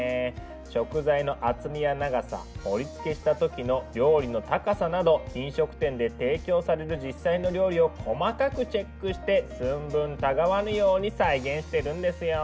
食材の厚みや長さ盛りつけした時の料理の高さなど飲食店で提供される実際の料理を細かくチェックして寸分たがわぬように再現してるんですよ。